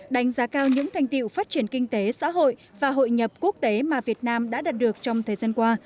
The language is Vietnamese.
đánh giá cao những thành tiệu phát triển kinh tế xã hội và hội nhập quốc tế mà việt nam đã đạt được trong thời gian qua